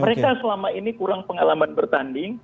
mereka selama ini kurang pengalaman bertanding